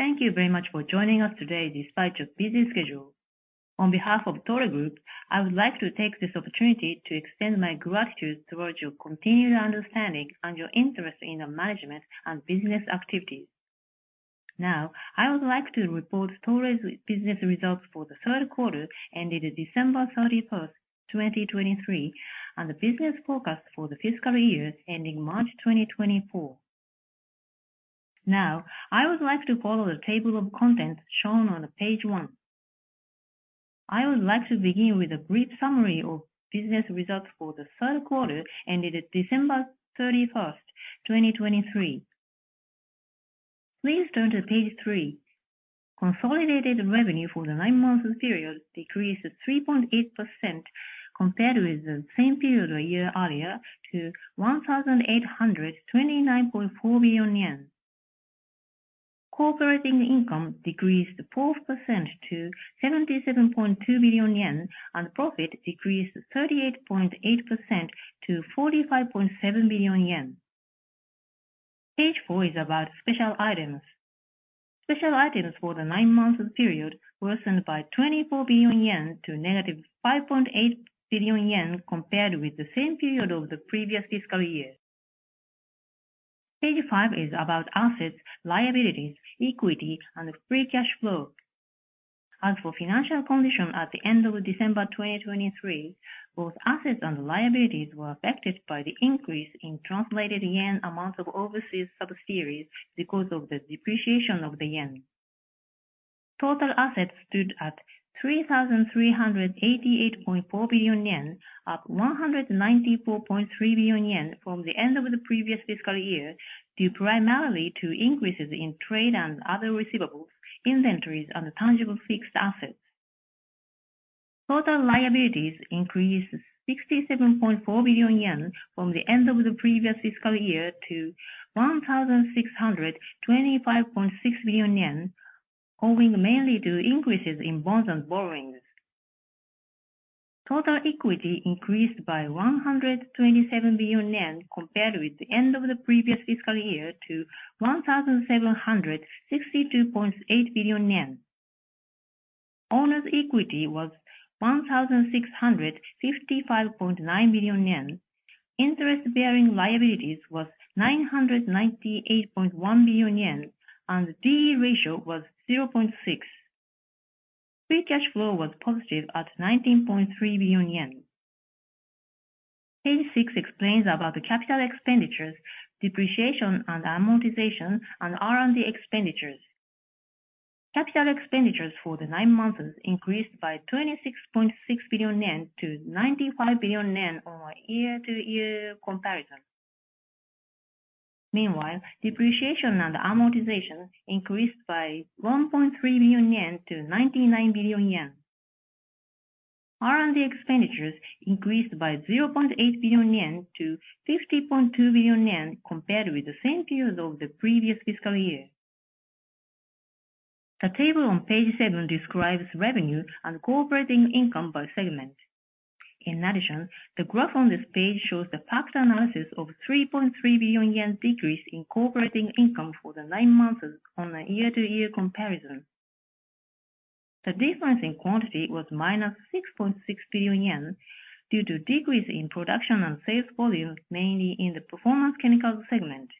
Thank you very much for joining us today despite your busy schedule. On behalf of Toray Group, I would like to take this opportunity to extend my gratitude towards your continued understanding and your interest in the management and business activities. Now, I would like to report Toray's business results for the third quarter, ending December 31st, 2023, and the business forecast for the fiscal year ending March 2024. Now, I would like to follow the table of contents shown on page one. I would like to begin with a brief summary of business results for the third quarter, ending December 31st, 2023. Please turn to page three. Consolidated revenue for the nine-month period decreased 3.8% compared with the same period a year earlier to 1,829.4 billion yen. Operating income decreased 4% to 77.2 billion yen, and profit decreased 38.8% to 45.7 billion yen. Page four is about special items. Special items for the nine-month period worsened by 24 billion yen to negative 5.8 billion yen, compared with the same period of the previous fiscal year. Page five is about assets, liabilities, equity, and free cash flow. As for financial condition at the end of December 2023, both assets and liabilities were affected by the increase in translated yen amount of overseas subsidiaries because of the depreciation of the yen. Total assets stood at 3,388.4 billion yen, up 194.3 billion yen from the end of the previous fiscal year, due primarily to increases in trade and other receivables, inventories and tangible fixed assets. Total liabilities increased 67.4 billion yen from the end of the previous fiscal year to 1,625.6 billion yen, owing mainly to increases in bonds and borrowings. Total equity increased by 127 billion yen compared with the end of the previous fiscal year to 1,762.8 billion yen. Owner's equity was 1,655.9 billion yen. Interest-bearing liabilities was 998.1 billion yen, and the DE ratio was 0.6. Free cash flow was positive at 19.3 billion yen. Page six explains about the capital expenditures, depreciation and amortization, and R&D expenditures. Capital expenditures for the nine months increased by 26.6 billion yen to 95 billion yen on a year-to-year comparison. Meanwhile, depreciation and amortization increased by 1.3 billion yen to 99 billion yen. R&D expenditures increased by 0.8 billion yen to 50.2 billion yen compared with the same period of the previous fiscal year. The table on page seven describes revenue and operating income by segment. In addition, the graph on this page shows the factor analysis of 3.3 billion yen decrease in operating income for the nine months on a year-to-year comparison. The difference in quantity was -6.6 billion yen, due to decrease in production and sales volume, mainly in the performance chemicals segment.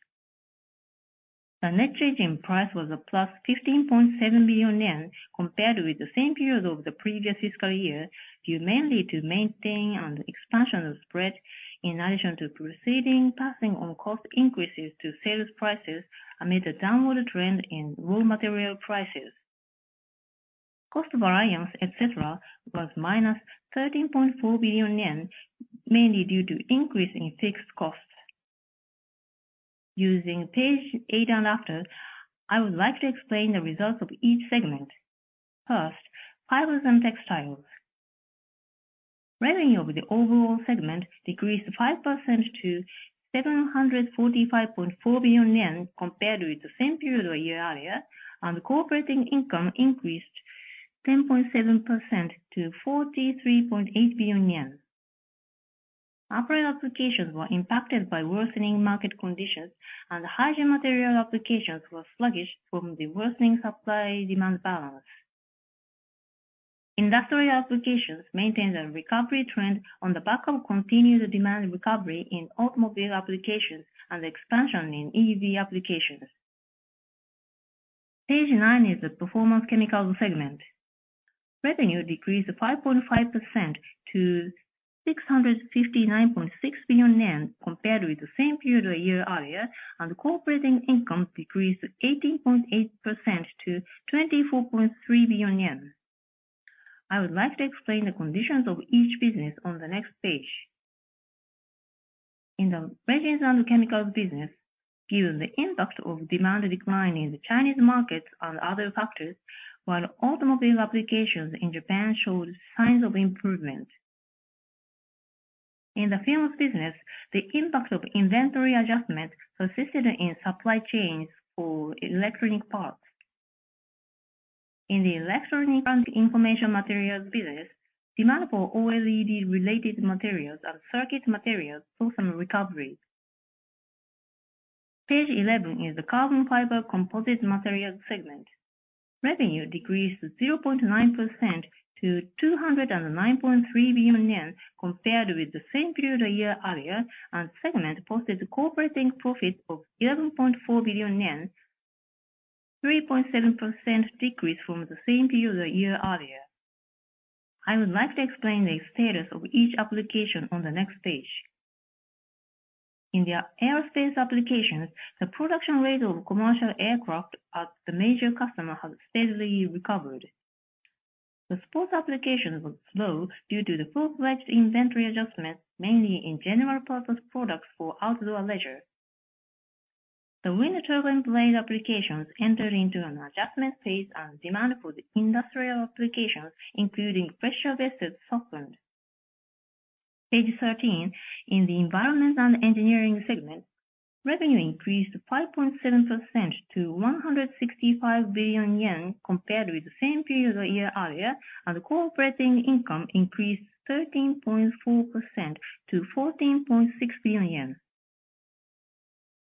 The net trading price was a plus 15.7 billion yen compared with the same period of the previous fiscal year, due mainly to maintenance and expansion of spread, in addition to proceeding passing on cost increases to sales prices amid a downward trend in raw material prices. Cost variance, et cetera, was minus 13.4 billion yen, mainly due to increase in fixed costs. Using page eight and after, I would like to explain the results of each segment. First, fibers and textiles. Revenue of the overall segment decreased 5% to 745.4 billion yen compared with the same period a year earlier, and operating income increased 10.7% to 43.8 billion yen. Apparel applications were impacted by worsening market conditions, and hygiene material applications were sluggish from the worsening supply-demand balance. Industrial applications maintained a recovery trend on the back of continued demand recovery in automobile applications and expansion in EV applications. Page nine is the performance chemicals segment. Revenue decreased 5.5% to 659.6 billion yen compared with the same period a year earlier, and operating income decreased 18.8% to 24.3 billion yen. I would like to explain the conditions of each business on the next page. In the resins and chemicals business, given the impact of demand decline in the Chinese market and other factors, while automobile applications in Japan showed signs of improvement. In the films business, the impact of inventory adjustments persisted in supply chains for electronic parts. In the electronic information materials business, demand for OLED related materials and circuit materials saw some recovery. Page 11 is the carbon fiber composite materials segment. Revenue decreased 0.9% to 209.3 billion yen compared with the same period a year earlier, and the segment posted operating profits of 11.4 billion yen, 3.7% decrease from the same period a year earlier. I would like to explain the status of each application on the next page. In the aerospace applications, the production rate of commercial aircraft at the major customer has steadily recovered. The sports applications were slow due to the full-fledged inventory adjustments, mainly in general purpose products for outdoor leisure. The wind turbine blade applications entered into an adjustment phase, and demand for the industrial applications, including pressure vessels, softened. Page 13, in the environment and engineering segment, revenue increased 5.7% to 165 billion yen compared with the same period a year earlier, and the operating income increased 13.4% to 14.6 billion.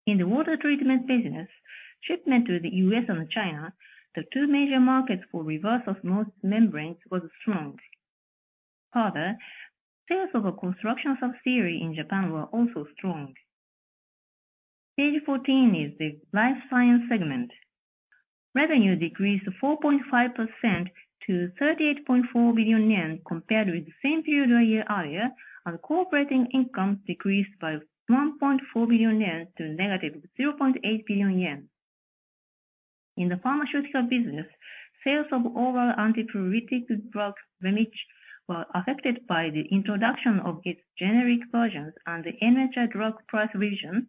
In the water treatment business, shipment to the U.S. and China, the two major markets for reverse osmosis membranes, was strong. Further, sales of a construction subsidiary in Japan were also strong. Page 14 is the life science segment. Revenue decreased 4.5% to 38.4 billion yen compared with the same period a year earlier, and operating income decreased by 1.4 billion yen to -0.8 billion yen. In the pharmaceutical business, sales of oral antipruritic drug REMITCH were affected by the introduction of its generic versions and the NHI drug price revision,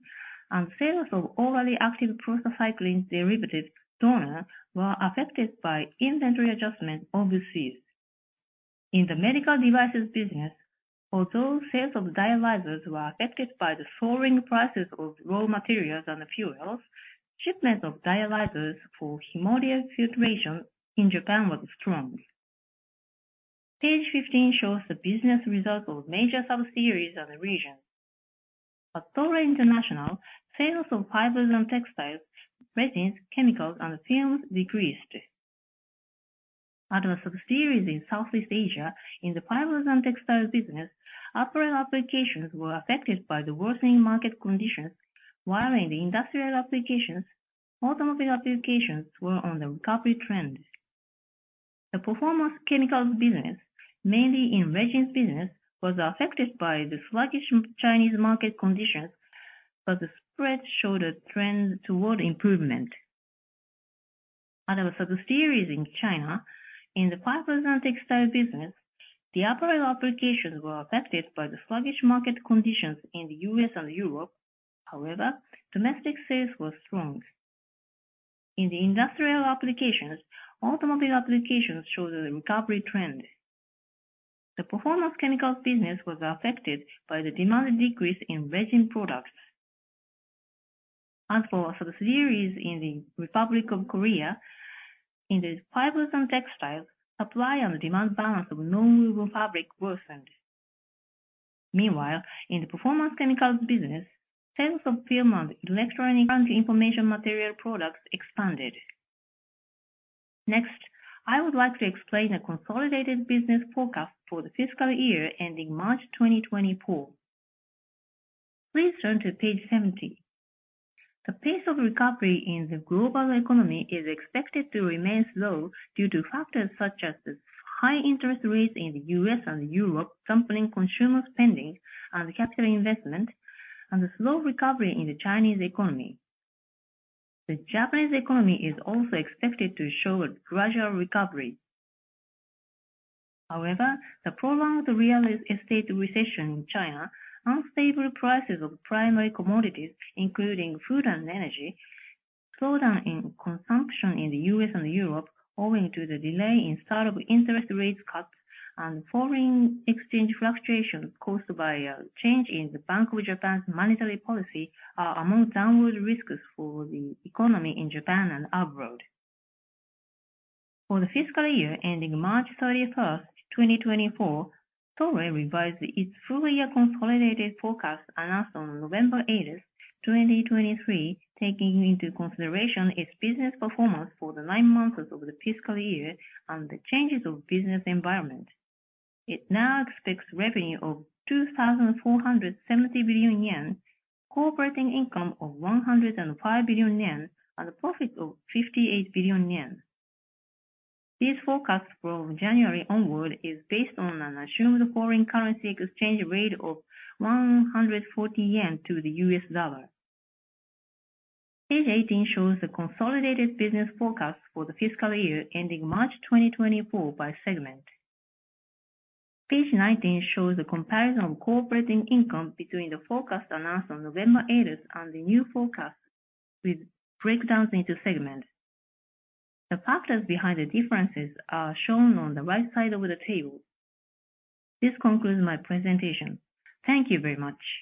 and sales of orally active prostacyclin derivative DORNER were affected by inventory adjustment overseas. In the medical devices business, although sales of dialyzers were affected by the soaring prices of raw materials and fuels, shipments of dialyzers for hemodiafiltration in Japan was strong. Page 15 shows the business results of major subsidiaries of the region. At Toray International, sales of fibers and textiles, resins, chemicals, and films decreased. At subsidiaries in Southeast Asia, in the fibers and textiles business, apparel applications were affected by the worsening market conditions, while in the industrial applications, automotive applications were on the recovery trend. The performance chemicals business, mainly in resins business, was affected by the sluggish Chinese market conditions, but the spread showed a trend toward improvement. At our subsidiaries in China, in the fibers and textiles business, the apparel applications were affected by the sluggish market conditions in the U.S. and Europe. However, domestic sales were strong. In the industrial applications, automotive applications showed a recovery trend. The performance chemicals business was affected by the demand decrease in resin products. As for our subsidiaries in the Republic of Korea, in the fibers and textiles, supply and demand balance of nonwoven fabric worsened. Meanwhile, in the performance chemicals business, sales of film and electronic information material products expanded. Next, I would like to explain a consolidated business forecast for the fiscal year ending March 2024. Please turn to page 17. The pace of recovery in the global economy is expected to remain slow due to factors such as the high interest rates in the U.S. and Europe, dampening consumer spending and capital investment, and the slow recovery in the Chinese economy. The Japanese economy is also expected to show a gradual recovery. However, the prolonged real estate recession in China, unstable prices of primary commodities, including food and energy, slowdown in consumption in the U.S. and Europe owing to the delay in start of interest rates cut and foreign exchange fluctuations caused by a change in the Bank of Japan's monetary policy are among downward risks for the economy in Japan and abroad. For the fiscal year ending March 31st, 2024, Toray revised its full year consolidated forecast announced on November 8th, 2023, taking into consideration its business performance for the nine months of the fiscal year and the changes of business environment. It now expects revenue of 2,470 billion yen, operating income of 105 billion yen, and a profit of 58 billion yen. This forecast from January onward is based on an assumed foreign currency exchange rate of 140 yen to the US dollar. Page 18 shows the consolidated business forecast for the fiscal year ending March 2024 by segment. Page 19 shows a comparison of operating income between the forecast announced on November 8th and the new forecast, with breakdowns into segments. The factors behind the differences are shown on the right side of the table. This concludes my presentation. Thank you very much.